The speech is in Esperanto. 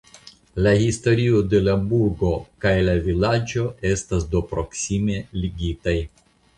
La historio de la burgo kaj la vilaĝo estas do proksime ligitaj.